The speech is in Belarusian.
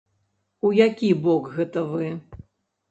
У які бок гэта вы?